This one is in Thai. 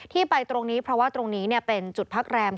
ที่ไปตรงนี้เพราะว่าตรงนี้เป็นจุดพักแรม